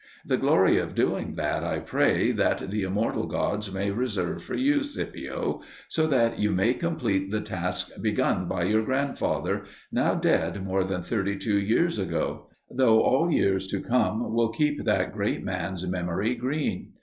The glory of doing that I pray that the immortal gods may reserve for you, Scipio, so that you may complete the task begun by your grand father, now dead more than thirty two years ago; though all years to come will keep that great man's memory green.